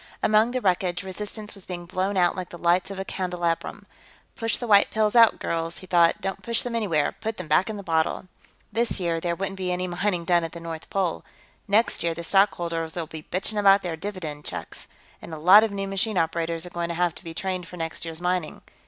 Among the wreckage, resistance was being blown out like the lights of a candelabrum. Push the white pills out, girls, he thought. Don't push them anywhere; put them back in the bottle. This year, there wouldn't be any mining done at the North Pole; next year, the stockholders'll be bitching about their dividend checks. And a lot of new machine operators are going to have to be trained for next year's mining.